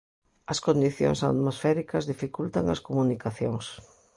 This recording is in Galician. As condicións atmosféricas dificultan as comunicacións.